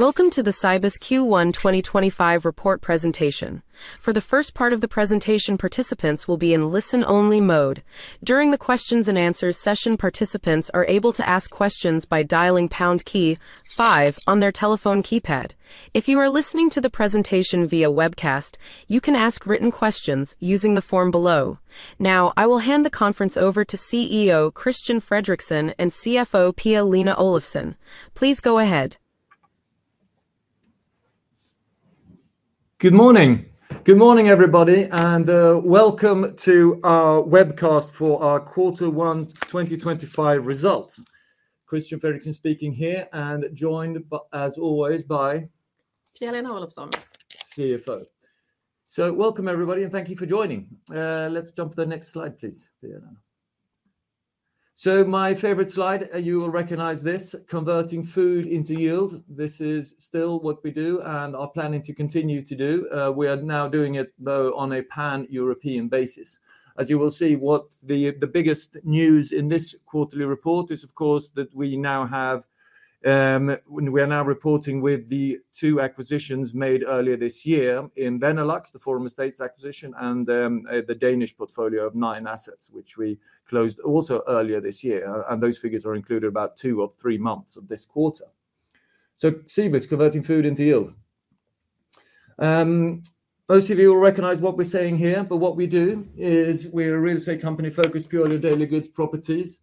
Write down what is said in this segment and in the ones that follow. Welcome to the Cibus Q1 2025 Report Presentation. For the first part of the presentation, participants will be in listen-only mode. During the Q&A session, participants are able to ask questions by dialing pound key 5 on their telephone keypad. If you are listening to the presentation via webcast, you can ask written questions using the form below. Now, I will hand the conference over to CEO Christian Fredrixon and CFO Pia-Lena Olofsson. Please go ahead. Good morning. Good morning, everybody, and welcome to our webcast for our Q1 2025 results. Christian Fredrixon speaking here, and joined as always by. Pia-Lena Olofsson. Welcome, everybody, and thank you for joining. Let's jump to the next slide, please. My favorite slide, you will recognize this: Converting Food into Yield. This is still what we do and are planning to continue to do. We are now doing it, though, on a pan-European basis. As you will see, what the biggest news in this quarterly report is, of course, that we now have—we are now reporting with the two acquisitions made earlier this year in Benelux, the Forum Estates acquisition, and the Danish portfolio of nine assets, which we closed also earlier this year. Those figures are included about two or three months of this quarter. Cibus, converting food into yield. Most of you will recognize what we're saying here, but what we do is we're a real estate company focused purely on daily goods properties.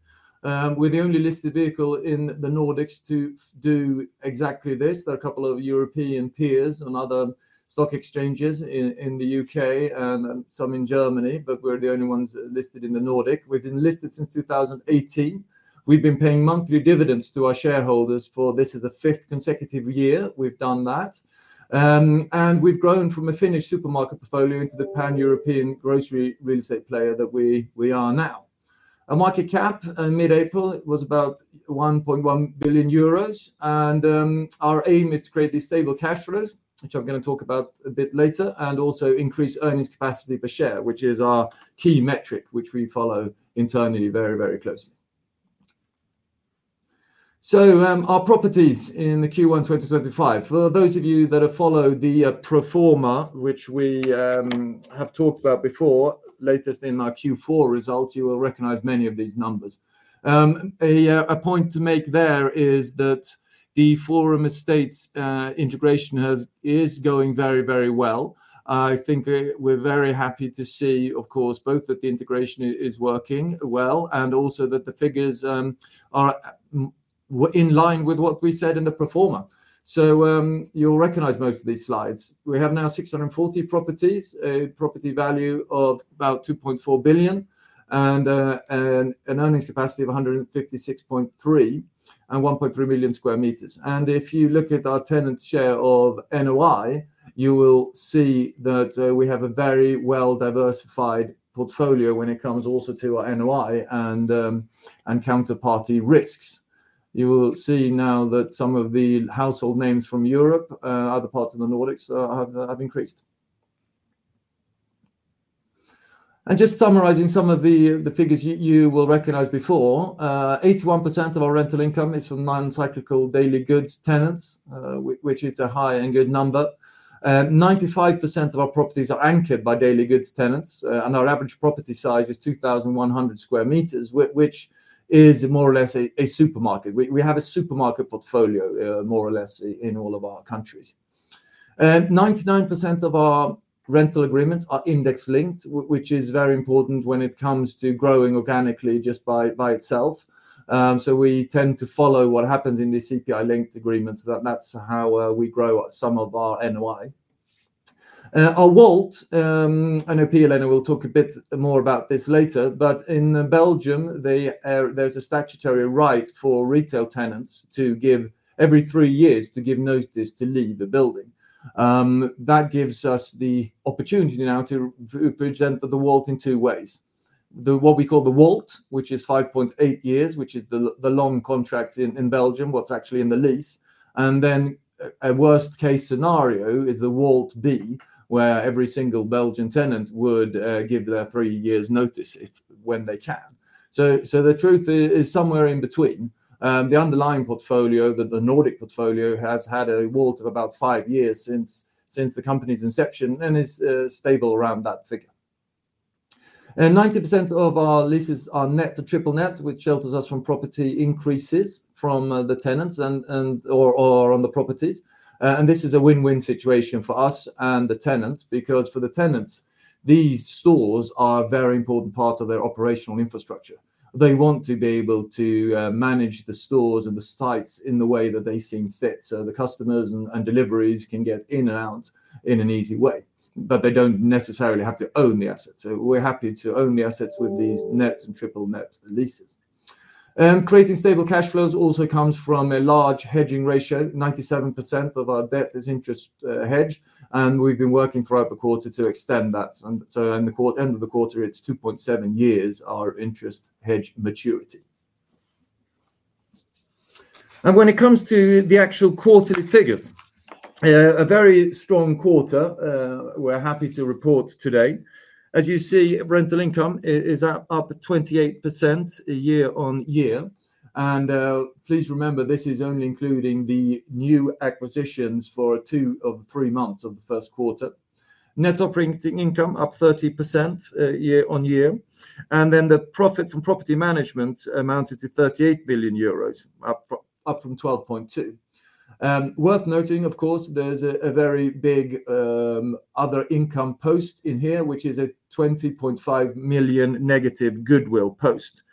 We're the only listed vehicle in the Nordics to do exactly this. There are a couple of European peers and other stock exchanges in the U.K. and some in Germany, but we're the only ones listed in the Nordics. We've been listed since 2018. We've been paying monthly dividends to our shareholders for—this is the fifth consecutive year we've done that. We've grown from a Finnish supermarket portfolio into the pan-European grocery real estate player that we are now. Our market cap mid-April was about 1.1 billion euros, and our aim is to create these stable cash flows, which I'm going to talk about a bit later, and also increase earnings capacity per share, which is our key metric, which we follow internally very, very closely. Our properties in Q1 2025, for those of you that have followed the pro forma, which we have talked about before, latest in our Q4 results, you will recognize many of these numbers. A point to make there is that the Forum Estates integration is going very, very well. I think we're very happy to see, of course, both that the integration is working well and also that the figures are in line with what we said in the pro forma. You'll recognize most of these slides. We have now 640 properties, a property value of about 2.4 billion, and an earnings capacity of 156.3 and 1.3 million sq m. If you look at our tenant share of NOI, you will see that we have a very well-diversified portfolio when it comes also to our NOI and counterparty risks. You will see now that some of the household names from Europe, other parts of the Nordics, have increased. Just summarizing some of the figures you will recognize before, 81% of our rental income is from non-cyclical daily goods tenants, which is a high and good number. 95% of our properties are anchored by daily goods tenants, and our average property size is 2,100 sq m, which is more or less a supermarket. We have a supermarket portfolio, more or less, in all of our countries. 99% of our rental agreements are index-linked, which is very important when it comes to growing organically just by itself. We tend to follow what happens in these CPI-linked agreements. That is how we grow some of our NOI. Our WALT, I know Pia-Lena will talk a bit more about this later, but in Belgium, there is a statutory right for retail tenants to give every three years to give notice to leave a building. That gives us the opportunity now to present the WALT in two ways. What we call the WALT, which is 5.8 years, which is the long contract in Belgium, what is actually in the lease. Then a worst-case scenario is the WALT B, where every single Belgian tenant would give their three years' notice when they can. The truth is somewhere in between. The underlying portfolio, the Nordic portfolio, has had a WALT of about five years since the company's inception and is stable around that figure. 90% of our leases are net to triple net, which shelters us from property increases from the tenants or on the properties. This is a win-win situation for us and the tenants, because for the tenants, these stores are a very important part of their operational infrastructure. They want to be able to manage the stores and the sites in the way that they see fit, so the customers and deliveries can get in and out in an easy way, but they do not necessarily have to own the assets. We are happy to own the assets with these net and triple net leases. Creating stable cash flows also comes from a large hedging ratio. 97% of our debt is interest hedged, and we have been working throughout the quarter to extend that. At the end of the quarter, it is 2.7 years our interest hedge maturity. When it comes to the actual quarterly figures, a very strong quarter we are happy to report today. As you see, rental income is up 28% year-on-year. Please remember, this is only including the new acquisitions for two of the three months of the first quarter. Net operating income up 30% year-on-year. The profit from property management amounted to 38 million euros, up from 12.2 million. Worth noting, of course, there is a very big other income post in here, which is a 20.5 million negative goodwill post.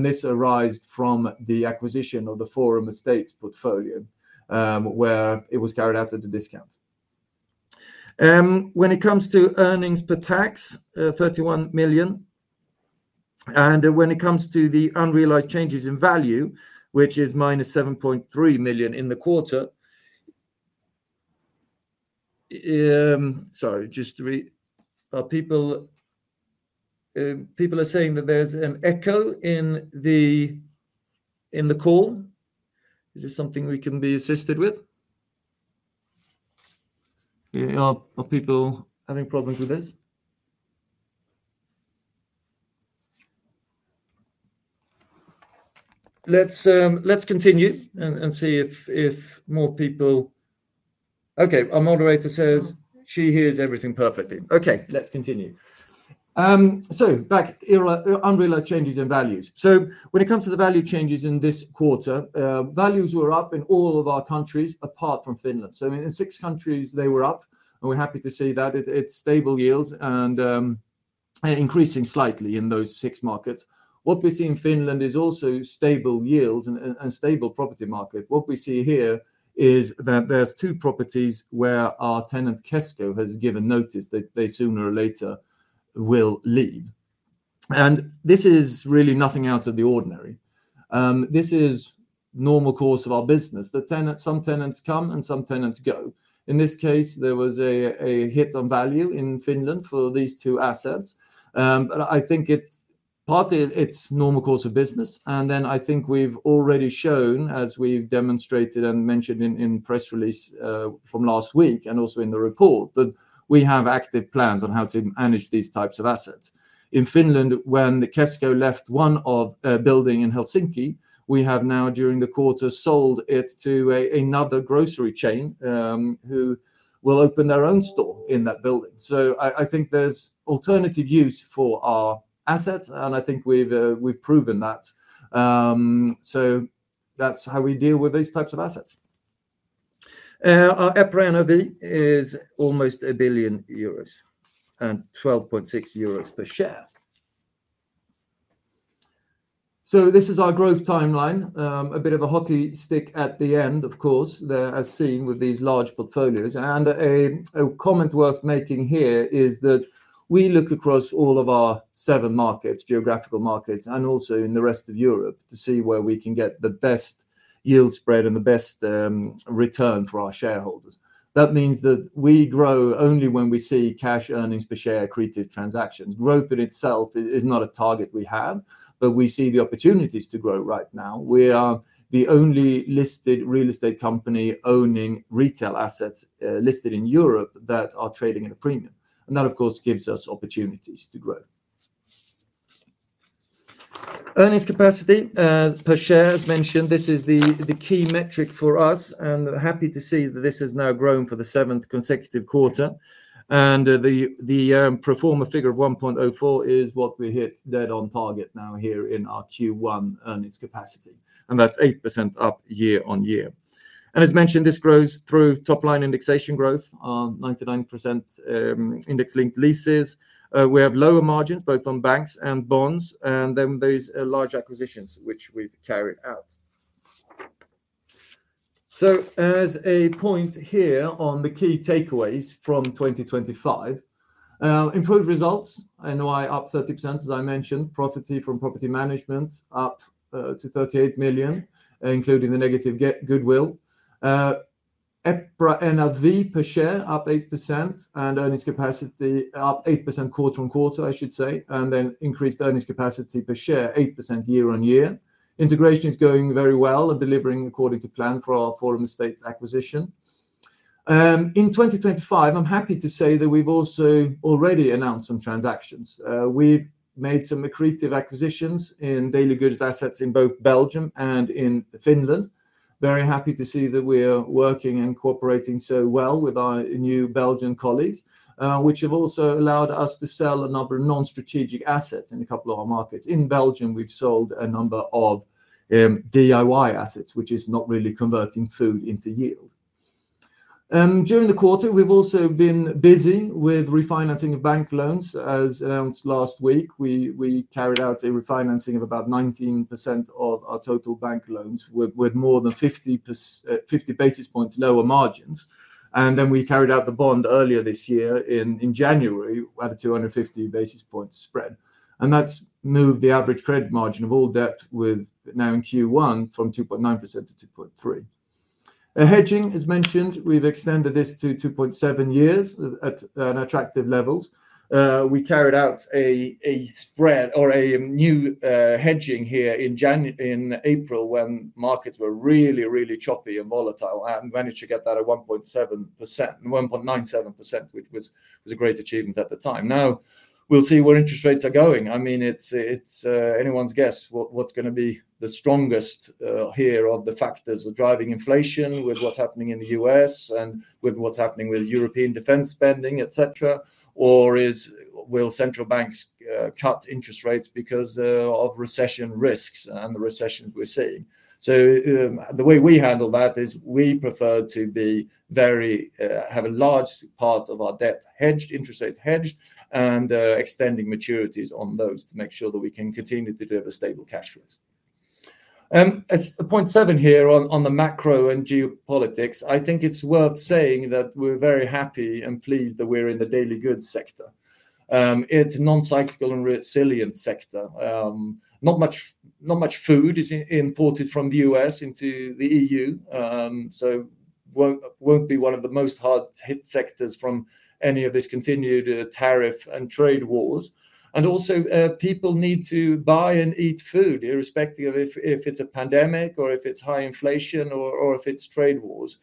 This arised from the acquisition of the Forum Estates portfolio, where it was carried out at a discount. When it comes to earnings per tax, 31 million. When it comes to the unrealized changes in value, which is -7.3 million in the quarter. Sorry, just to repeat, people are saying that there is an echo in the call. Is this something we can be assisted with? Are people having problems with this? Let's continue and see if more people. Okay, our moderator says she hears everything perfectly. Okay, let's continue. Back, unrealized changes in values. When it comes to the value changes in this quarter, values were up in all of our countries apart from Finland. In six countries, they were up, and we're happy to see that. It's stable yields and increasing slightly in those six markets. What we see in Finland is also stable yields and a stable property market. What we see here is that there are two properties where our tenant, Kesko, has given notice that they sooner or later will leave. This is really nothing out of the ordinary. This is the normal course of our business. Some tenants come and some tenants go. In this case, there was a hit on value in Finland for these two assets. I think partly it's normal course of business. I think we've already shown, as we've demonstrated and mentioned in the press release from last week and also in the report, that we have active plans on how to manage these types of assets. In Finland, when Kesko left one of the buildings in Helsinki, we have now, during the quarter, sold it to another grocery chain who will open their own store in that building. I think there's alternative use for our assets, and I think we've proven that. That's how we deal with these types of assets. Our EPRA NAV is almost 1 billion euros and 12.6 euros per share. This is our growth timeline. A bit of a hockey stick at the end, of course, as seen with these large portfolios. A comment worth making here is that we look across all of our seven markets, geographical markets, and also in the rest of Europe to see where we can get the best yield spread and the best return for our shareholders. That means that we grow only when we see cash earnings per share accretive transactions. Growth in itself is not a target we have, but we see the opportunities to grow right now. We are the only listed real estate company owning retail assets listed in Europe that are trading at a premium. That, of course, gives us opportunities to grow. Earnings capacity per share, as mentioned, this is the key metric for us. Happy to see that this has now grown for the seventh consecutive quarter. The pro forma figure of 1.04 is what we hit dead on target now here in our Q1 earnings capacity. That is 8% up year-on-year. As mentioned, this grows through top-line indexation growth, 99% index-linked leases. We have lower margins both on banks and bonds, and then there are large acquisitions which we have carried out. As a point here on the key takeaways from 2025, improved results, NOI up 30%, as I mentioned, profit from property management up to 38 million, including the negative goodwill. EPRA NAV per share up 8% and earnings capacity up 8% quarter on quarter, I should say, and then increased earnings capacity per share 8% year-on-year. Integration is going very well and delivering according to plan for our Forum Estates acquisition. In 2025, I am happy to say that we have also already announced some transactions. We've made some accretive acquisitions in daily goods assets in both Belgium and in Finland. Very happy to see that we are working and cooperating so well with our new Belgian colleagues, which have also allowed us to sell a number of non-strategic assets in a couple of our markets. In Belgium, we've sold a number of DIY assets, which is not really converting food into yield. During the quarter, we've also been busy with refinancing of bank loans. As announced last week, we carried out a refinancing of about 19% of our total bank loans with more than 50 basis points lower margins. We carried out the bond earlier this year in January at a 250 basis points spread. That has moved the average credit margin of all debt now in Q1 from 2.9%-2.3%. Hedging, as mentioned, we've extended this to 2.7 years at attractive levels. We carried out a spread or a new hedging here in April when markets were really, really choppy and volatile and managed to get that at 1.7%, 1.97%, which was a great achievement at the time. Now, we'll see where interest rates are going. I mean, it's anyone's guess what's going to be the strongest here of the factors driving inflation with what's happening in the U.S. and with what's happening with European defense spending, etc. Will central banks cut interest rates because of recession risks and the recessions we're seeing? The way we handle that is we prefer to have a large part of our debt hedged, interest rate hedged, and extending maturities on those to make sure that we can continue to deliver stable cash flows. At 0.7 here on the macro and geopolitics, I think it's worth saying that we're very happy and pleased that we're in the daily goods sector. It's a non-cyclical and resilient sector. Not much food is imported from the U.S. into the EU, so it won't be one of the most hard-hit sectors from any of this continued tariff and trade wars. Also, people need to buy and eat food, irrespective of if it's a pandemic or if it's high inflation or if it's trade wars.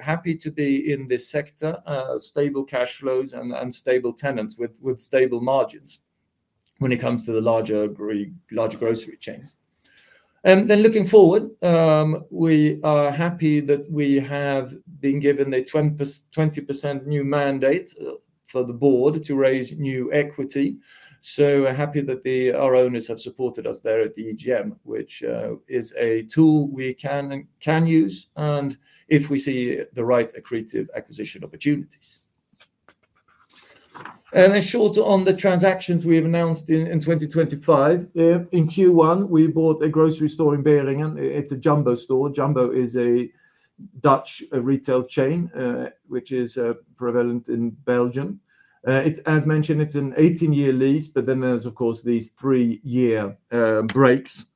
Happy to be in this sector, stable cash flows and stable tenants with stable margins when it comes to the larger grocery chains. Looking forward, we are happy that we have been given a 20% new mandate for the board to raise new equity. Happy that our owners have supported us there at the EGM, which is a tool we can use if we see the right accretive acquisition opportunities. A short on the transactions we have announced in 2025. In Q1, we bought a grocery store in Beringen. It's a Jumbo store. Jumbo is a Dutch retail chain, which is prevalent in Belgium. As mentioned, it's an 18-year lease, but then there's, of course, these three-year breaks.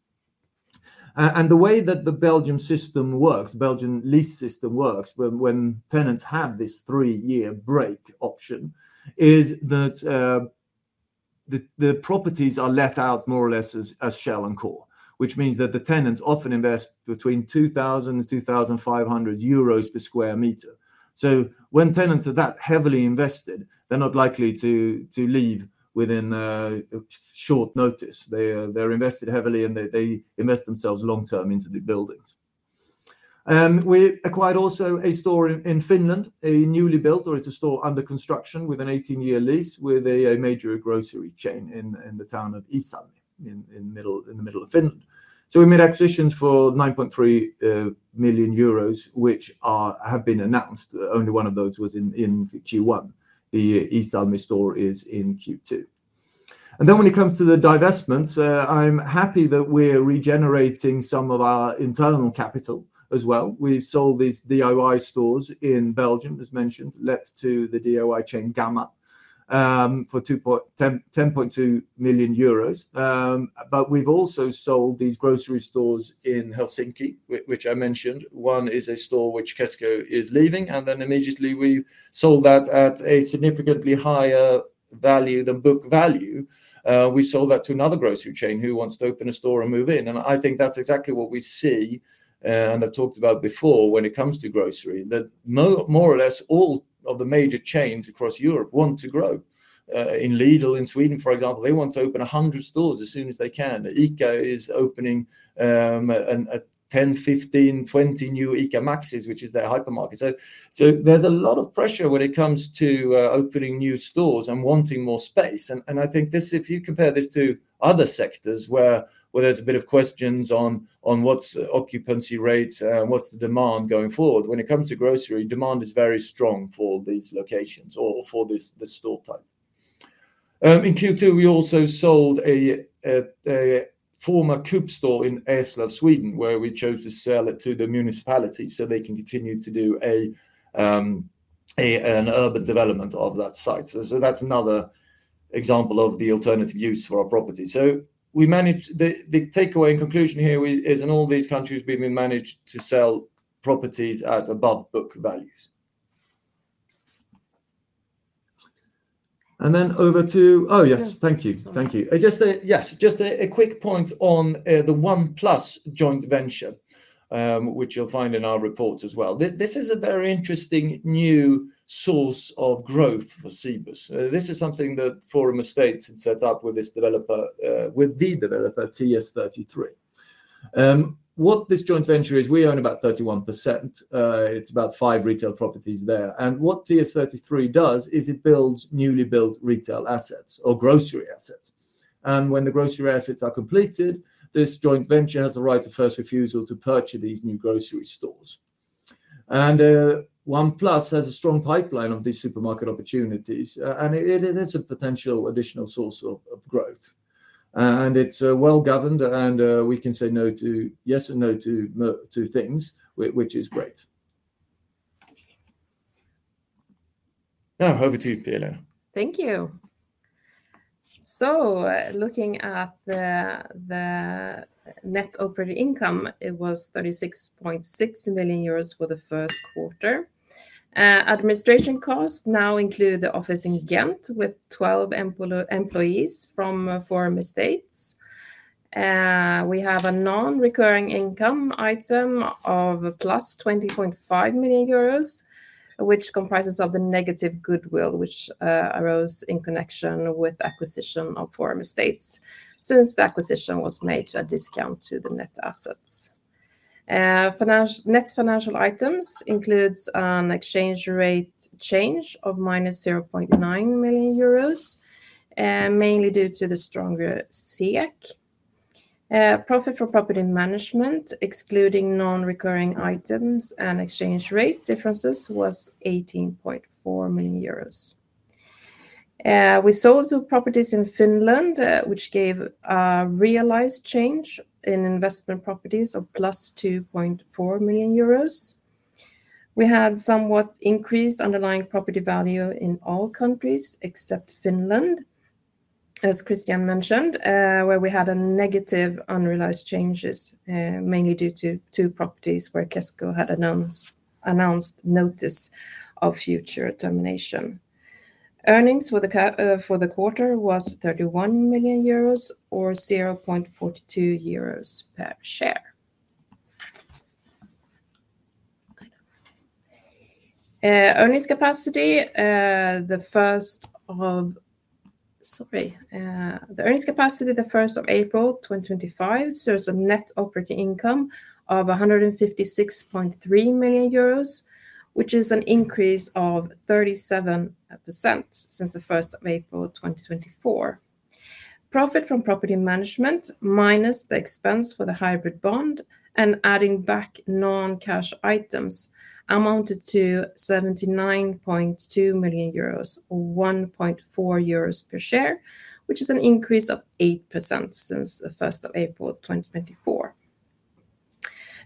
The way that the Belgian system works, the Belgian lease system works, when tenants have this three-year break option, is that the properties are let out more or less as shell and core, which means that the tenants often invest between 2,000 and 2,500 euros per sq m. When tenants are that heavily invested, they're not likely to leave within short notice. They're invested heavily, and they invest themselves long-term into the buildings. We acquired also a store in Finland, a newly built, or it's a store under construction with an 18-year lease with a major grocery chain in the town of Iisalmi in the middle of Finland. We made acquisitions for 9.3 million euros, which have been announced. Only one of those was in Q1. The Iisalmi store is in Q2. When it comes to the divestments, I'm happy that we're regenerating some of our internal capital as well. We've sold these DIY stores in Belgium, as mentioned, let to the DIY chain Gamma for 10.2 million euros. We've also sold these grocery stores in Helsinki, which I mentioned. One is a store which Kesko is leaving. Immediately we sold that at a significantly higher value than book value. We sold that to another grocery chain who wants to open a store and move in. I think that's exactly what we see, and I've talked about before when it comes to grocery, that more or less all of the major chains across Europe want to grow. In Lidl in Sweden, for example, they want to open 100 stores as soon as they can. ICA is opening 10, 15, 20 new ICA Maxis, which is their hypermarket. There is a lot of pressure when it comes to opening new stores and wanting more space. I think if you compare this to other sectors where there's a bit of questions on what's occupancy rates and what's the demand going forward, when it comes to grocery, demand is very strong for these locations or for this store type. In Q2, we also sold a former Coop store in Eslöv, Sweden, where we chose to sell it to the municipality so they can continue to do an urban development of that site. That is another example of the alternative use for our property. The takeaway and conclusion here is in all these countries, we have managed to sell properties at above book values. Oh yes, thank you. Thank you. Yes, just a quick point on the OnePlus joint venture, which you will find in our report as well. This is a very interesting new source of growth for Cibus. This is something that Forum Estates had set up with the developer TS33. What this joint venture is, we own about 31%. It is about five retail properties there. What TS33 does is it builds newly built retail assets or grocery assets. When the grocery assets are completed, this joint venture has the right of first refusal to purchase these new grocery stores. OnePlus has a strong pipeline of these supermarket opportunities, and it is a potential additional source of growth. It is well governed, and we can say no to yes and no to things, which is great. Now, over to you, Pia-Lena. Thank you. Looking at the net operating income, it was 36.6 million euros for the first quarter. Administration costs now include the office in Gent with 12 employees from Forum Estates. We have a non-recurring income item of +20.5 million euros, which comprises the negative goodwill which arose in connection with the acquisition of Forum Estates since the acquisition was made at a discount to the net assets. Net financial items include an exchange rate change of -0.9 million euros, mainly due to the stronger SEK. Profit for property management, excluding non-recurring items and exchange rate differences, was 18.4 million euros. We sold two properties in Finland, which gave a realized change in investment properties of +2.4 million euros. We had somewhat increased underlying property value in all countries except Finland, as Christian mentioned, where we had negative unrealized changes, mainly due to two properties where Kesko had announced notice of future termination. Earnings for the quarter was 31 million euros or 0.42 euros per share. Earnings capacity, the first of, sorry, the earnings capacity the 1st of April 2025 shows a net operating income of 156.3 million euros, which is an increase of 37% since the 1st of April 2024. Profit from property management minus the expense for the hybrid bond and adding back non-cash items amounted to 79.2 million euros or 1.4 euros per share, which is an increase of 8% since the 1st of April 2024.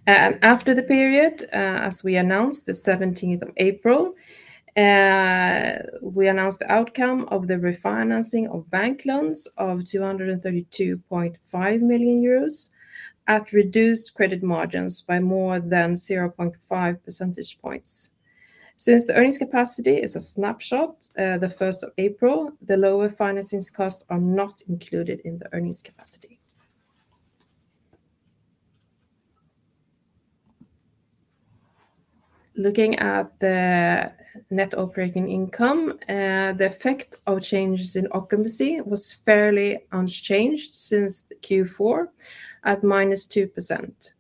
After the period, as we announced the 17th of April, we announced the outcome of the refinancing of bank loans of 232.5 million euros at reduced credit margins by more than 0.5 percentage points. Since the earnings capacity is a snapshot the 1st of April, the lower financing costs are not included in the earnings capacity. Looking at the net operating income, the effect of changes in occupancy was fairly unchanged since Q4 at -2%.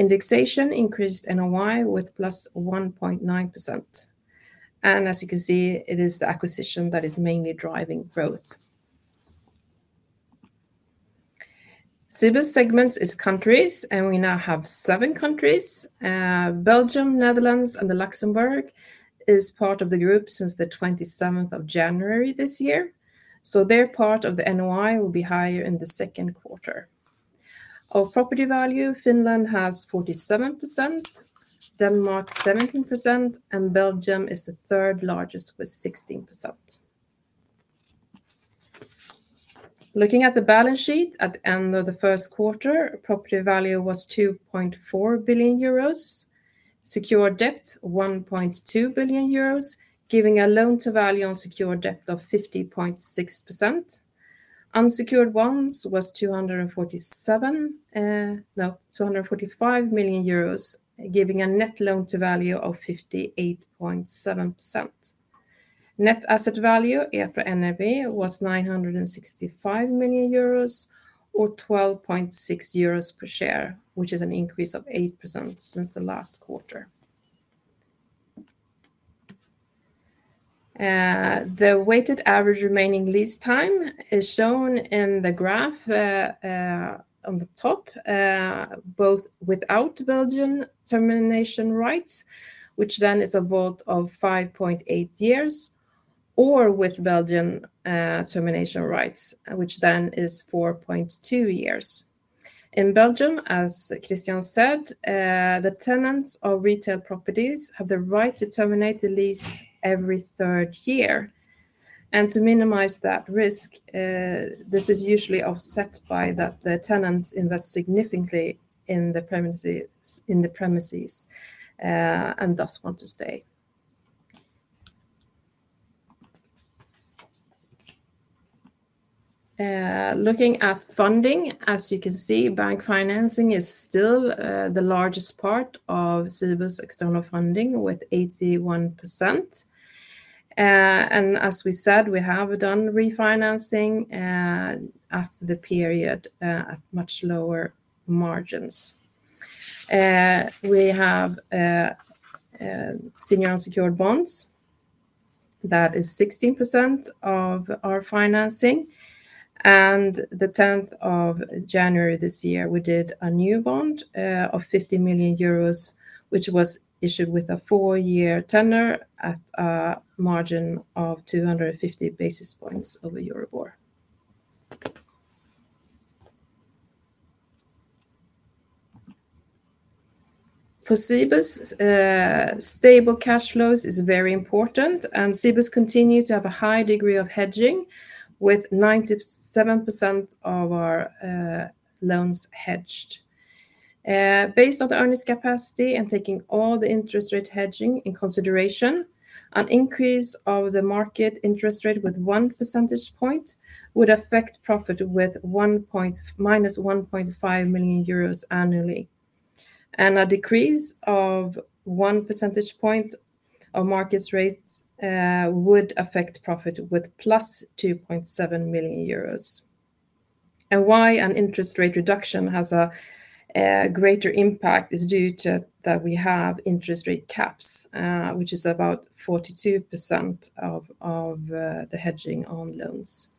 Indexation increased NOI with +1.9%. It is the acquisition that is mainly driving growth. Cibus segments is countries, and we now have seven countries. Belgium, Netherlands, and Luxembourg is part of the group since the 27th of January this year. So their part of the NOI will be higher in the second quarter. Of property value, Finland has 47%, Denmark 17%, and Belgium is the third largest with 16%. Looking at the balance sheet at the end of the first quarter, property value was 2.4 billion euros, secured debt 1.2 billion euros, giving a loan-to-value on secured debt of 50.6%. Unsecured ones was 247, no, 245 million euros, giving a net loan-to-value of 58.7%. Net asset value after NRV was 965 million euros or 12.6 euros per share, which is an increase of 8% since the last quarter. The weighted average remaining lease time is shown in the graph on the top, both without Belgian termination rights, which then is a vote of 5.8 years, or with Belgian termination rights, which then is 4.2 years. In Belgium, as Christian said, the tenants of retail properties have the right to terminate the lease every third year. To minimize that risk, this is usually offset by that the tenants invest significantly in the premises and thus want to stay. Looking at funding, as you can see, bank financing is still the largest part of Cibus external funding with 81%. As we said, we have done refinancing after the period at much lower margins. We have senior unsecured bonds. That is 16% of our financing. On the 10th of January this year, we did a new bond of 50 million euros, which was issued with a four-year tenor at a margin of 250 basis points over Euribor. For Cibus, stable cash flows is very important, and Cibus continues to have a high degree of hedging with 97% of our loans hedged. Based on the earnings capacity and taking all the interest rate hedging in consideration, an increase of the market interest rate with one percentage point would affect profit with -1.5 million euros annually. A decrease of one percentage point of market rates would affect profit with +2.7 million euros. Why an interest rate reduction has a greater impact is due to that we have interest rate caps, which is about 42% of the hedging on loans.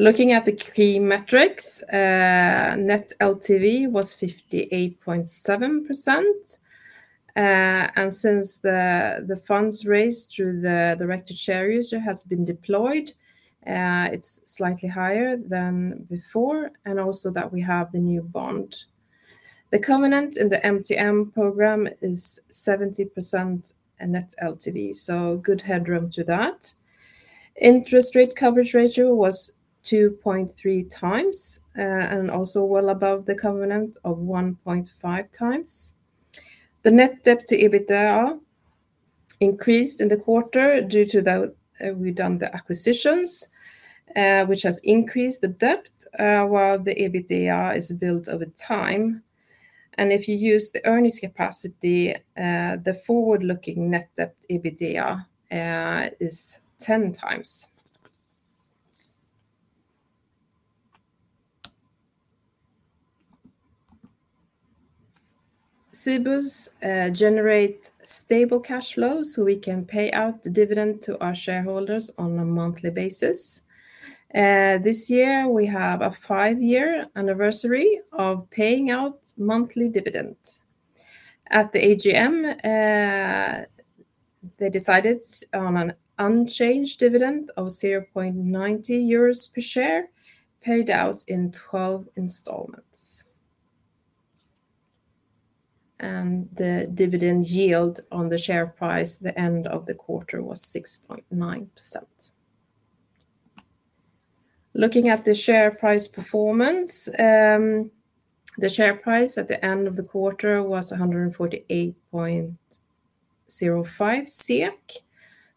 Looking at the key metrics, net LTV was 58.7%. Since the funds raised through the director share user has been deployed, it is slightly higher than before, and also that we have the new bond. The covenant in the MTN programme is 70% net LTV, so good headroom to that. Interest rate coverage ratio was 2.3x and also well above the covenant of 1.5x. The net debt to EBITDA increased in the quarter due to that we've done the acquisitions, which has increased the debt while the EBITDA is built over time. If you use the earnings capacity, the forward-looking net debt EBITDA is 10x. Cibus generates stable cash flows so we can pay out the dividend to our shareholders on a monthly basis. This year, we have a five-year anniversary of paying out monthly dividend. At the AGM, they decided on an unchanged dividend of 0.90 euros per share, paid out in 12 installments. The dividend yield on the share price at the end of the quarter was 6.9%. Looking at the share price performance, the share price at the end of the quarter was 148.05 SEK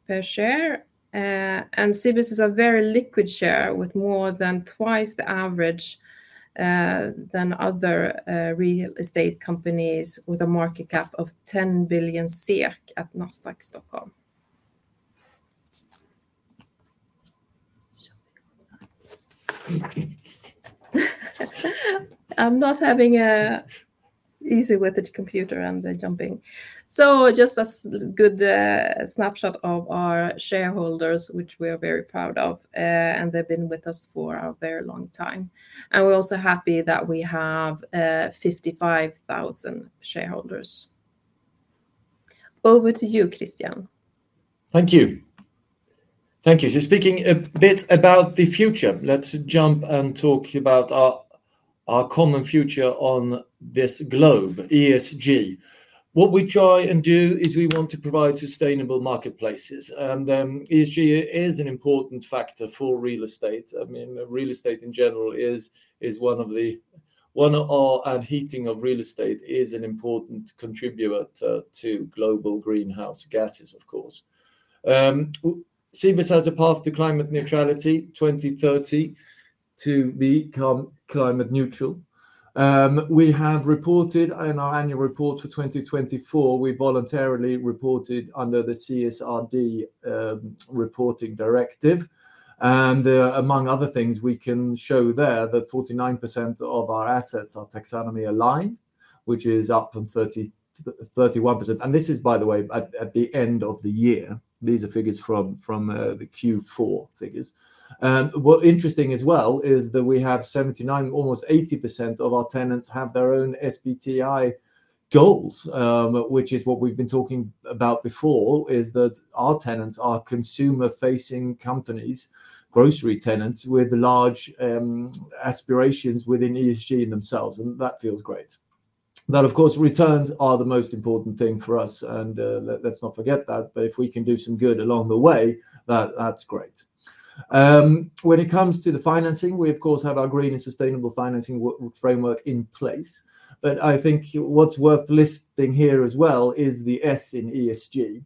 per share. Cibus is a very liquid share with more than twice the average than other real estate companies with a market cap of 10 billion at Nasdaq Stockholm. I'm not having an easy with the computer and the jumping. Just a good snapshot of our shareholders, which we are very proud of, and they've been with us for a very long time. We're also happy that we have 55,000 shareholders. Over to you, Christian. Thank you. Thank you. Speaking a bit about the future, let's jump and talk about our common future on this globe, ESG. What we try and do is we want to provide sustainable marketplaces. ESG is an important factor for real estate. I mean, real estate in general is one of the, one of our heating of real estate is an important contributor to global greenhouse gases, of course. Cibus has a path to climate neutrality 2030 to become climate neutral. We have reported in our annual report for 2024, we voluntarily reported under the CSRD reporting directive. Among other things, we can show there that 49% of our assets are taxonomy aligned, which is up from 31%. This is, by the way, at the end of the year. These are figures from the Q4 figures. What's interesting as well is that we have 79, almost 80% of our tenants have their own SBTi goals, which is what we've been talking about before, is that our tenants are consumer-facing companies, grocery tenants with large aspirations within ESG in themselves. That feels great. Of course, returns are the most important thing for us. Let's not forget that. If we can do some good along the way, that's great. When it comes to the financing, we, of course, have our green and sustainable financing framework in place. I think what is worth listing here as well is the S in ESG.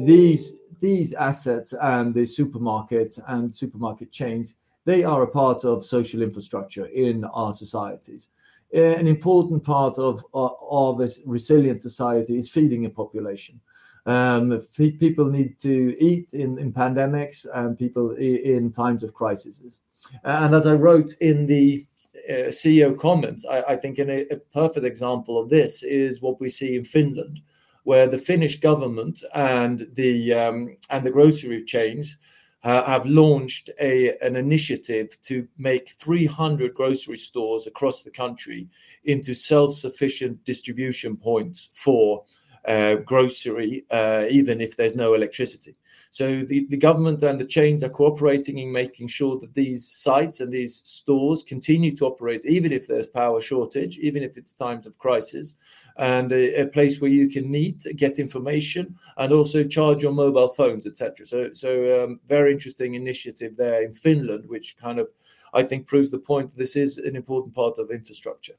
These assets and the supermarkets and supermarket chains, they are a part of social infrastructure in our societies. An important part of this resilient society is feeding a population. People need to eat in pandemics and people in times of crises. As I wrote in the CEO comments, I think a perfect example of this is what we see in Finland, where the Finnish government and the grocery chains have launched an initiative to make 300 grocery stores across the country into self-sufficient distribution points for grocery, even if there is no electricity. The government and the chains are cooperating in making sure that these sites and these stores continue to operate even if there's power shortage, even if it's times of crisis, and a place where you can meet, get information, and also charge your mobile phones, etc. Very interesting initiative there in Finland, which kind of, I think, proves the point that this is an important part of infrastructure.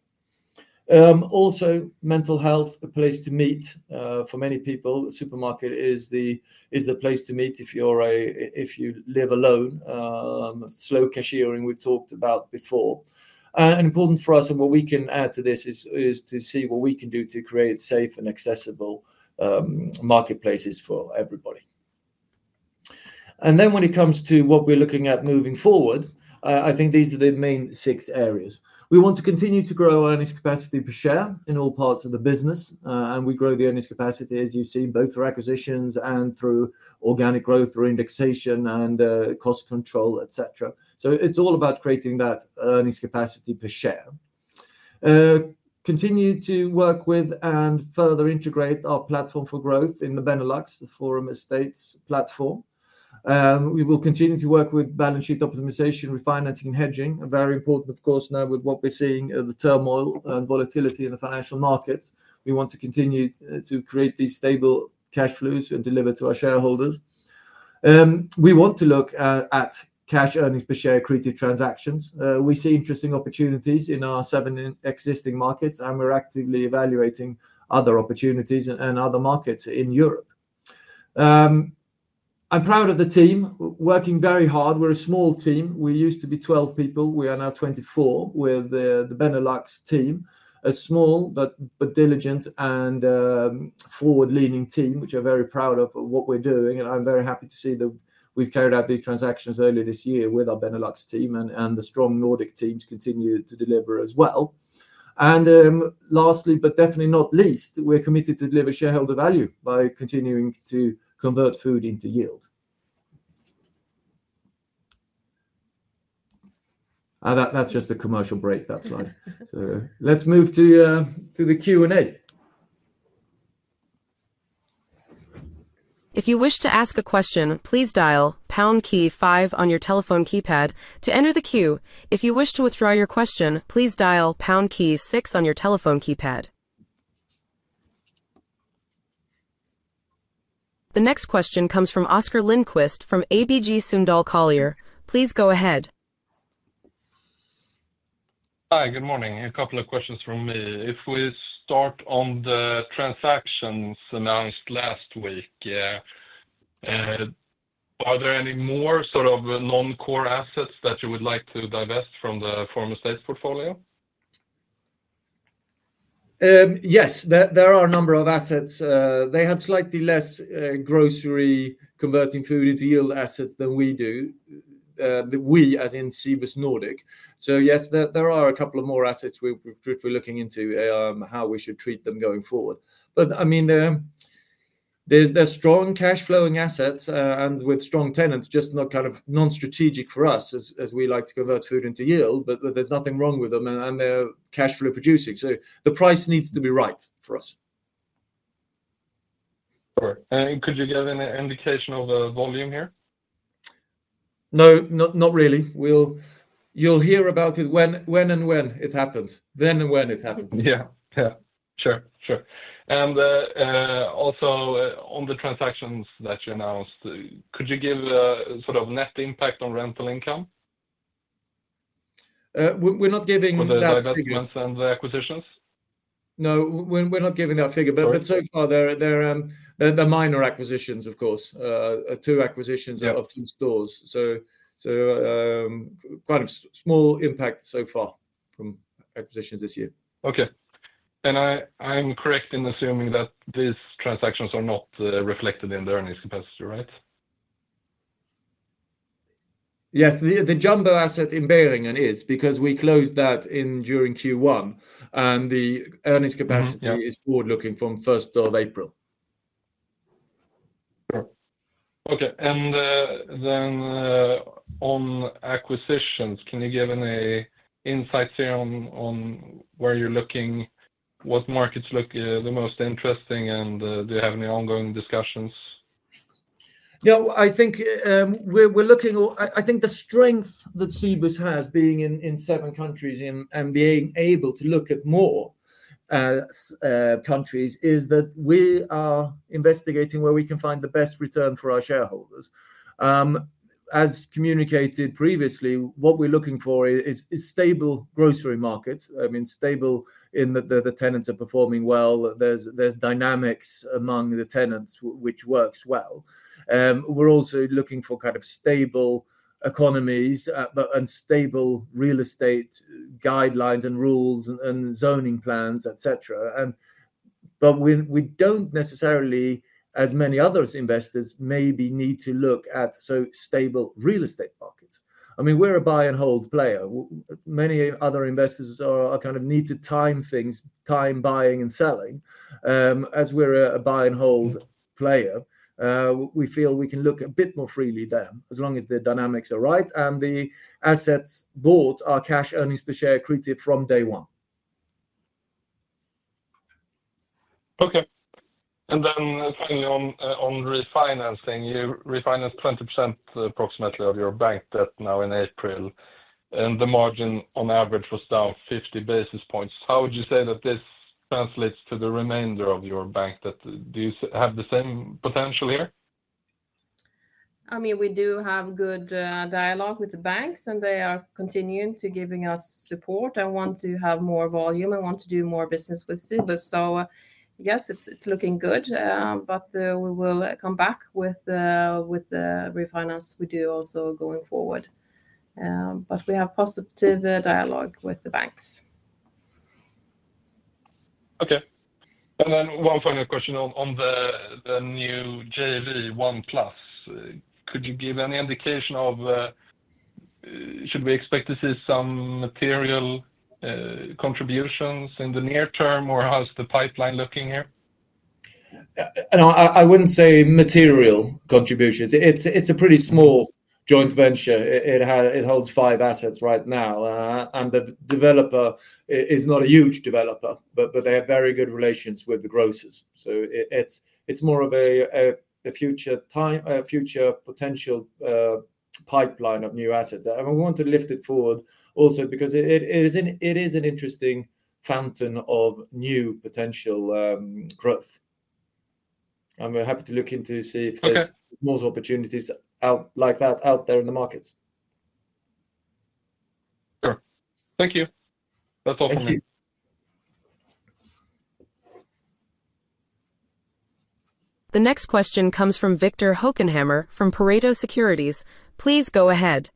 Also, mental health, a place to meet for many people, the supermarket is the place to meet if you live alone, slow cashiering we've talked about before. Important for us, and what we can add to this is to see what we can do to create safe and accessible marketplaces for everybody. When it comes to what we're looking at moving forward, I think these are the main six areas. We want to continue to grow earnings capacity per share in all parts of the business. We grow the earnings capacity, as you've seen, both through acquisitions and through organic growth through indexation and cost control, etc. It is all about creating that earnings capacity per share. Continue to work with and further integrate our platform for growth in the Benelux, the Forum Estates platform. We will continue to work with balance sheet optimization, refinancing, and hedging. Very important, of course, now with what we're seeing of the turmoil and volatility in the financial markets. We want to continue to create these stable cash flows and deliver to our shareholders. We want to look at cash earnings per share accretive transactions. We see interesting opportunities in our seven existing markets, and we're actively evaluating other opportunities and other markets in Europe. I'm proud of the team. Working very hard. We're a small team. We used to be 12 people. We are now 24 with the Benelux team. A small but diligent and forward-leaning team, which I'm very proud of what we're doing. I'm very happy to see that we've carried out these transactions earlier this year with our Benelux team and the strong Nordic teams continue to deliver as well. Lastly, but definitely not least, we're committed to deliver shareholder value by continuing to convert food into yield. That's just a commercial break, that's fine. Let's move to the Q&A. If you wish to ask a question, please dial pound key five on your telephone keypad to enter the queue. If you wish to withdraw your question, please dial pound key six on your telephone keypad. The next question comes from Oscar Lindquist from ABG Sundal Collier. Please go ahead. Hi, good morning. A couple of questions from me. If we start on the transactions announced last week, are there any more sort of non-core assets that you would like to divest from the Forum Estates portfolio? Yes, there are a number of assets. They had slightly less grocery converting food into yield assets than we do, that we as in Cibus Nordic. Yes, there are a couple of more assets we're looking into how we should treat them going forward. I mean, they're strong cash flowing assets and with strong tenants, just not kind of non-strategic for us as we like to convert food into yield, but there's nothing wrong with them and they're cash flow producing. The price needs to be right for us. Could you give an indication of the volume here? No, not really. You'll hear about it when it happens, then when it happens. Yeah, yeah. Sure, sure. Also, on the transactions that you announced, could you give a sort of net impact on rental income? We're not giving that figure. On the divestments and the acquisitions? No, we're not giving that figure. So far, they're minor acquisitions, of course, two acquisitions of two stores. Kind of small impact so far from acquisitions this year. Okay. I'm correct in assuming that these transactions are not reflected in the earnings capacity, right? Yes, the Jumbo asset in Beringen is because we closed that during Q1. The earnings capacity is forward-looking from 1st of April. Okay. On acquisitions, can you give any insights here on where you're looking, what markets look the most interesting, and do you have any ongoing discussions? No, I think we're looking at, I think the strength that Cibus has being in seven countries and being able to look at more countries is that we are investigating where we can find the best return for our shareholders. As communicated previously, what we're looking for is stable grocery markets, I mean, stable in that the tenants are performing well, there's dynamics among the tenants which works well. We're also looking for kind of stable economies and stable real estate guidelines and rules and zoning plans, etc. We don't necessarily, as many other investors maybe need to look at, so stable real estate markets. I mean, we're a buy-and-hold player. Many other investors are kind of need to time things, time buying and selling. As we're a buy-and-hold player, we feel we can look a bit more freely then as long as the dynamics are right and the assets bought are cash earnings per share created from day one. Okay. And then finally on refinancing, you refinanced 20% approximately of your bank debt now in April. And the margin on average was down 50 basis points. How would you say that this translates to the remainder of your bank debt? Do you have the same potential here? I mean, we do have good dialogue with the banks and they are continuing to give us support. I want to have more volume. I want to do more business with Cibus. Yes, it's looking good, but we will come back with the refinance we do also going forward. We have positive dialogue with the banks. Okay. One final question on the new JV OnePlus. Could you give any indication of should we expect to see some material contributions in the near term or how's the pipeline looking here? I wouldn't say material contributions. It's a pretty small joint venture. It holds five assets right now. The developer is not a huge developer, but they have very good relations with the grocers. It is more of a future potential pipeline of new assets. We want to lift it forward also because it is an interesting fountain of new potential growth. I'm happy to look into to see if there's more opportunities like that out there in the markets. Sure. Thank you. That's all from me. Thank you. The next question comes from Viktor Hökenhammar from Pareto Securities. Please go ahead.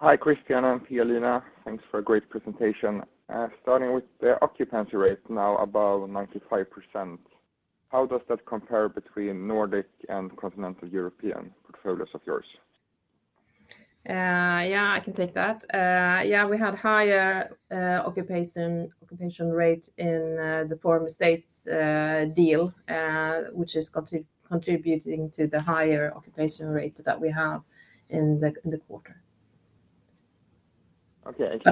Hi Christian, I'm Pia-Lena. Thanks for a great presentation. Starting with the occupancy rate now above 95%. How does that compare between Nordic and continental European portfolios of yours? Yeah, I can take that. Yeah, we had higher occupation rate in the Forum Estates deal, which is contributing to the higher occupation rate that we have in the quarter.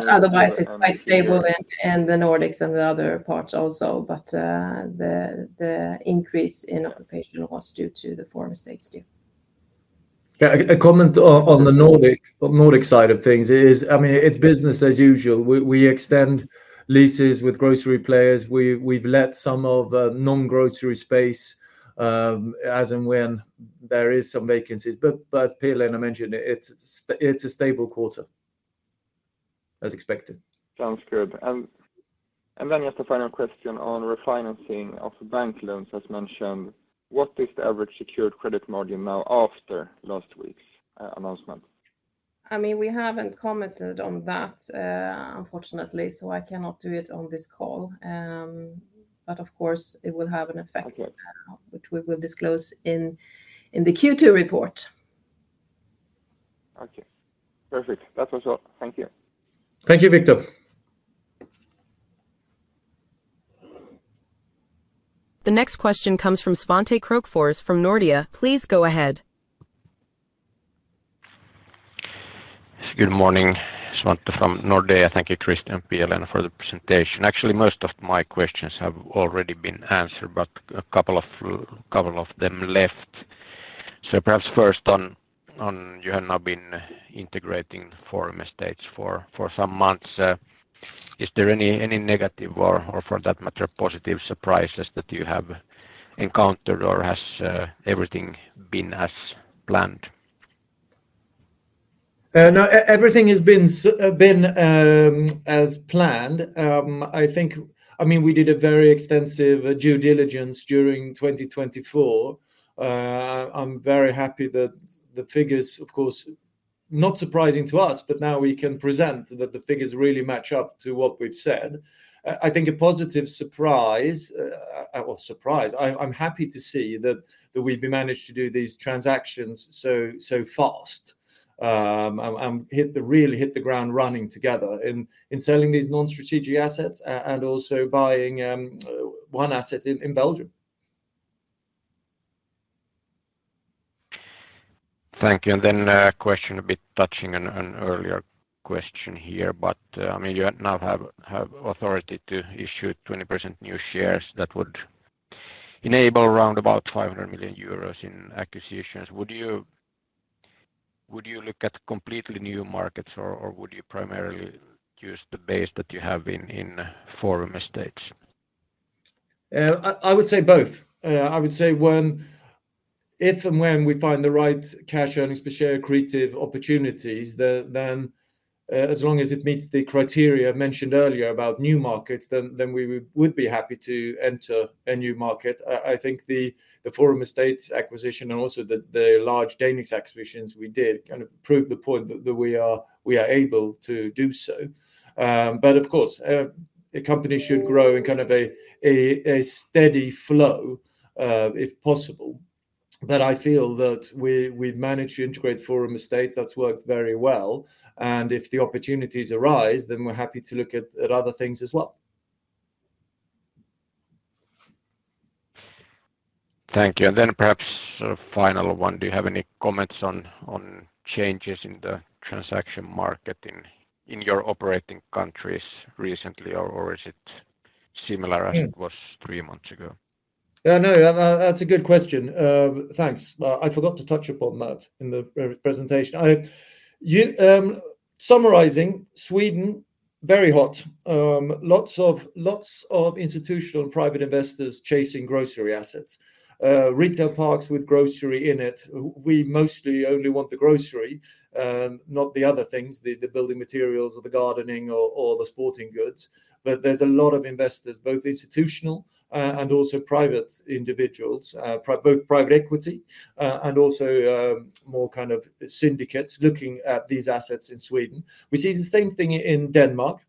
Otherwise, it's quite stable in the Nordics and the other parts also, but the increase in occupation was due to the Forum Estates deal. A comment on the Nordic side of things is, I mean, it's business as usual. We extend leases with grocery players. We've let some of non-grocery space as and when there are some vacancies. But as Pia-Lena mentioned, it's a stable quarter as expected. Sounds good. And then just a final question on refinancing of bank loans as mentioned. What is the average secured credit margin now after last week's announcement? I mean, we haven't commented on that, unfortunately, so I cannot do it on this call. Of course, it will have an effect, which we will disclose in the Q2 report. Okay. Perfect. That was all. Thank you. Thank you, Viktor. The next question comes from Svante Krokfors from Nordea. Please go ahead. Good morning, Svante from Nordea. Thank you, Christian and Pia-Lena, for the presentation. Actually, most of my questions have already been answered, but a couple of them left. Perhaps first on you have now been integrating Forum Estates for some months. Is there any negative or for that matter, positive surprises that you have encountered or has everything been as planned? Everything has been as planned. I mean, we did a very extensive due diligence during 2024. I'm very happy that the figures, of course, not surprising to us, but now we can present that the figures really match up to what we've said. I think a positive surprise, or surprise, I'm happy to see that we've managed to do these transactions so fast and really hit the ground running together in selling these non-strategic assets and also buying one asset in Belgium. Thank you. A question a bit touching an earlier question here, but I mean, you now have authority to issue 20% new shares that would enable around 500 million euros in acquisitions. Would you look at completely new markets or would you primarily use the base that you have in Forum Estates? I would say both. I would say if and when we find the right cash earnings per share accretive opportunities, then as long as it meets the criteria mentioned earlier about new markets, then we would be happy to enter a new market. I think the Forum Estates acquisition and also the large Danish acquisitions we did kind of prove the point that we are able to do so. Of course, a company should grow in kind of a steady flow if possible. I feel that we've managed to integrate Forum Estates, that's worked very well. If the opportunities arise, then we're happy to look at other things as well. Thank you. Perhaps a final one. Do you have any comments on changes in the transaction market in your operating countries recently, or is it similar as it was three months ago? No, that's a good question. Thanks. I forgot to touch upon that in the presentation. Summarizing, Sweden, very hot. Lots of institutional and private investors chasing grocery assets. Retail parks with grocery in it. We mostly only want the grocery, not the other things, the building materials or the gardening or the sporting goods. There is a lot of investors, both institutional and also private individuals, both private equity and also more kind of syndicates looking at these assets in Sweden. We see the same thing in Denmark,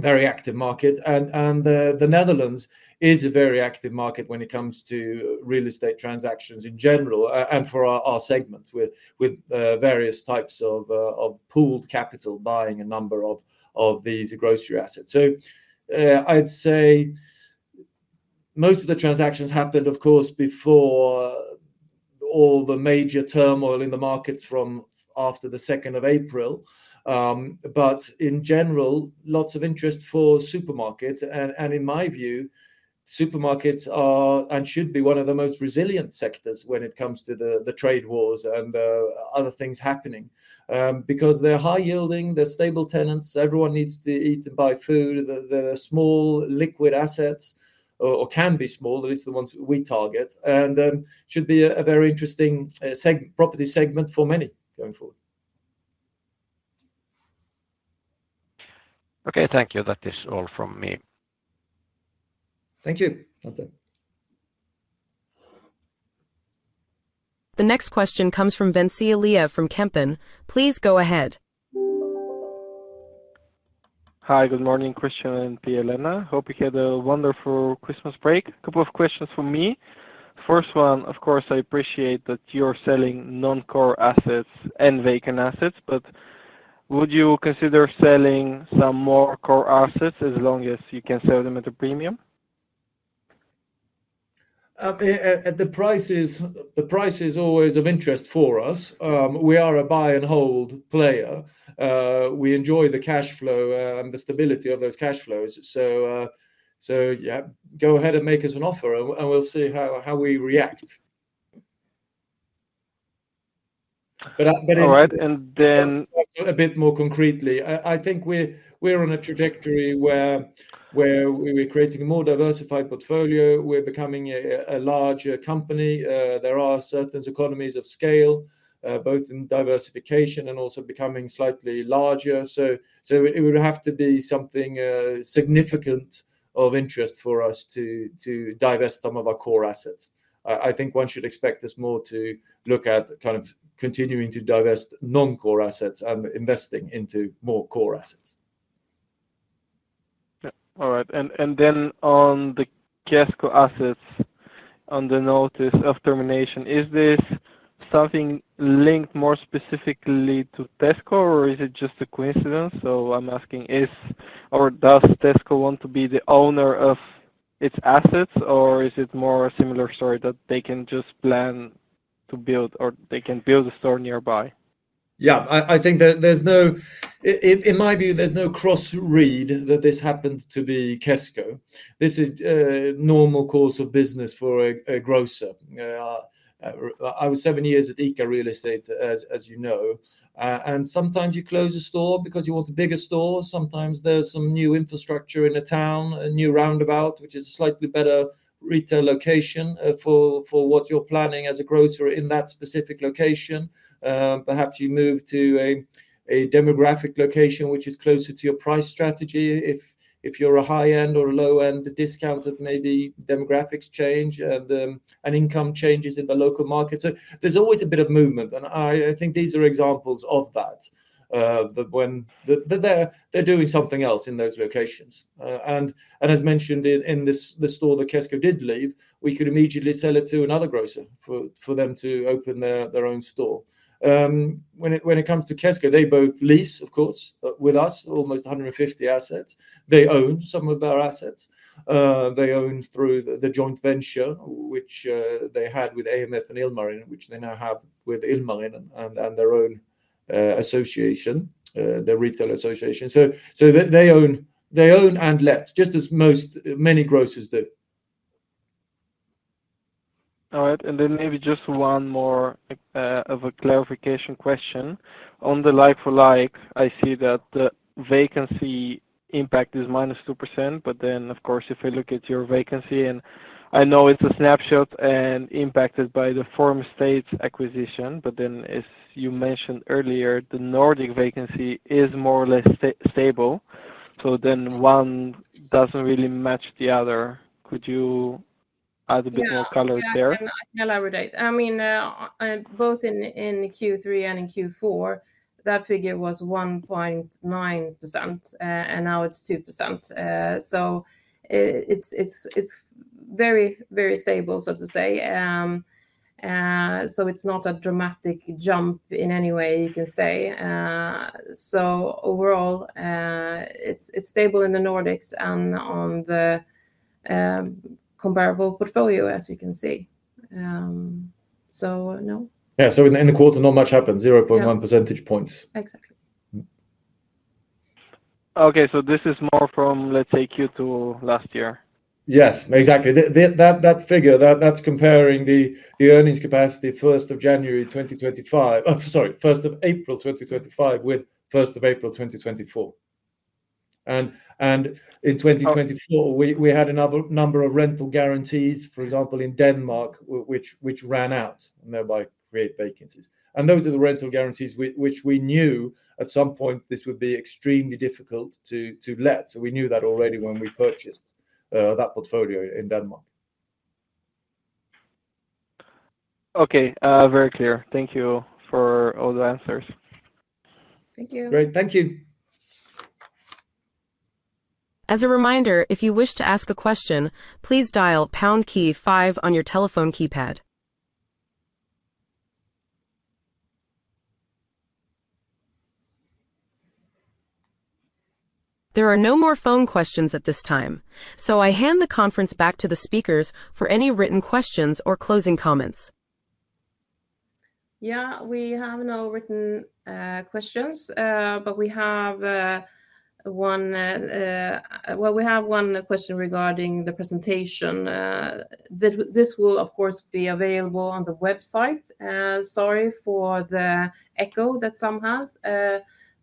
very active market. The Netherlands is a very active market when it comes to real estate transactions in general and for our segments with various types of pooled capital buying a number of these grocery assets. I would say most of the transactions happened, of course, before all the major turmoil in the markets from after the 2nd of April. In general, lots of interest for supermarkets. In my view, supermarkets are and should be one of the most resilient sectors when it comes to the trade wars and other things happening because they are high yielding, they are stable tenants, everyone needs to eat and buy food. They are small liquid assets or can be small, at least the ones we target. It should be a very interesting property segment for many going forward. Okay, thank you. That is all from me. Thank you. The next question comes from Vinci Elia from Kempen. Please go ahead. Hi, good morning, Christian and Pia-Lena. Hope you had a wonderful Christmas break. A couple of questions for me. First one, of course, I appreciate that you are selling non-core assets and vacant assets, but would you consider selling some more core assets as long as you can sell them at a premium? The price is always of interest for us. We are a buy-and-hold player. We enjoy the cash flow and the stability of those cash flows. Yeah, go ahead and make us an offer and we'll see how we react. All right. A bit more concretely, I think we're on a trajectory where we're creating a more diversified portfolio. We're becoming a larger company. There are certain economies of scale, both in diversification and also becoming slightly larger. It would have to be something significant of interest for us to divest some of our core assets. I think one should expect us more to look at kind of continuing to divest non-core assets and investing into more core assets. All right. On the Kesko assets, on the notice of termination, is this something linked more specifically to Kesko or is it just a coincidence? I'm asking, does Tesco want to be the owner of its assets or is it more a similar story that they can just plan to build or they can build a store nearby? I think that there's no, in my view, there's no cross-read that this happens to be Kesko. This is a normal course of business for a grocer. I was seven years at ICA Real Estate, as you know. Sometimes you close a store because you want a bigger store. Sometimes there's some new infrastructure in a town, a new roundabout, which is a slightly better retail location for what you're planning as a grocer in that specific location. Perhaps you move to a demographic location which is closer to your price strategy. If you're a high-end or a low-end, the discounter, maybe demographics change and income changes in the local market. There is always a bit of movement. I think these are examples of that. They are doing something else in those locations. As mentioned, in the store that Kesko did leave, we could immediately sell it to another grocer for them to open their own store. When it comes to Kesko, they both lease, of course, with us, almost 150 assets. They own some of their assets. They own through the joint venture which they had with AMF and Ilmarinen, which they now have with Ilmarinen and their own association, their retail association. They own and let, just as many grocers do. All right. Maybe just one more of a clarification question. On the like-for-like, I see that the vacancy impact is -2%, but then of course, if we look at your vacancy, and I know it's a snapshot and impacted by the Forum Estates acquisition, but then as you mentioned earlier, the Nordic vacancy is more or less stable. One doesn't really match the other. Could you add a bit more color there? I can elaborate. I mean, both in Q3 and in Q4, that figure was 1.9%, and now it's 2%. It is very, very stable, so to say. It is not a dramatic jump in any way, you can say. Overall, it is stable in the Nordics and on the comparable portfolio, as you can see. No. In the quarter, not much happened, 0.1 percentage points. Exactly. This is more from, let's say, Q2 last year. Yes, exactly. That figure, that's comparing the earnings capacity 1st of January 2025, sorry, 1st of April 2025 with 1st of April 2024. In 2024, we had a number of rental guarantees, for example, in Denmark, which ran out, and thereby create vacancies. Those are the rental guarantees which we knew at some point this would be extremely difficult to let. We knew that already when we purchased that portfolio in Denmark. Okay. Very clear. Thank you for all the answers. Thank you. Great. Thank you. As a reminder, if you wish to ask a question, please dial #5 on your telephone keypad. There are no more phone questions at this time, so I hand the conference back to the speakers for any written questions or closing comments. Yeah, we have no written questions, but we have one question regarding the presentation. This will, of course, be available on the website. Sorry for the echo that Sam has,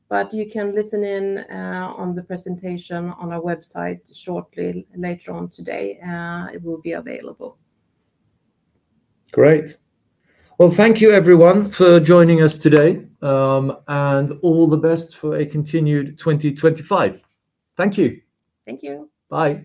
but you can listen in on the presentation on our website shortly later on today. It will be available. Great. Thank you, everyone, for joining us today. All the best for a continued 2025. Thank you. Thank you. Bye.